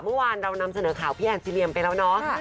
เมื่อวานเรานำเสนอข่าวพี่แอนซีเรียมไปแล้วเนาะ